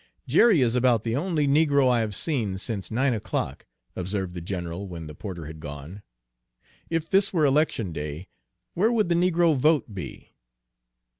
"Jerry is about the only negro I have seen since nine o'clock," observed the general when the porter had gone. "If this were election day, where would the negro vote be?"